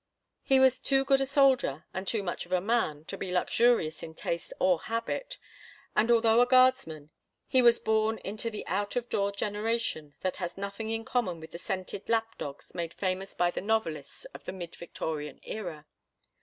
He was too good a soldier and too much of a man to be luxurious in taste or habit, and, although a guardsman, he was born into the out of door generation that has nothing in common with the scented lap dogs made famous by the novelists of the mid Victorian era.